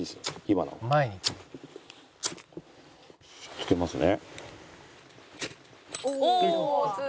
付けますね。